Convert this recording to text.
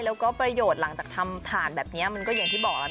แล้วก็ประโยชน์หลังจากทำผ่านแบบนี้มันก็อย่างที่บอกแล้ว